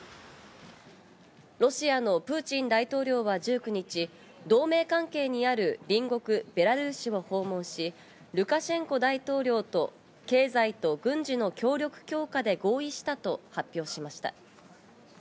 ロシアのプーチン大統領は１９日、同盟関係にある隣国ベラルーシを訪問し、ルカシェンコ大統領と、経済と軍事の協力強化で合意したと発表しました。